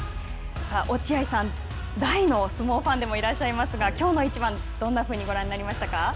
さあ、落合さん、大の相撲ファンでもいらっしゃいますがきょうの一番、どんなふうにご覧になりましたか。